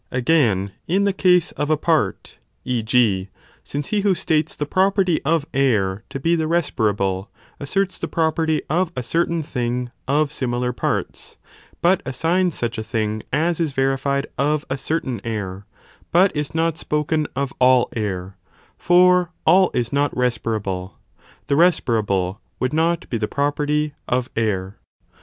Again, in the case of a part, e. g. since he who states the property of air to be the respirable, asserts the property of a certain thing of similar parts, but assigns such a thing as is verified of a certain air, but is not spoken of all air, (for all is not respirable,) the re spirable would not be the property of air.